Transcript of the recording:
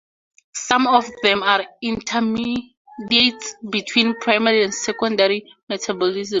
Some of them are intermediates between primary and secondary metabolism.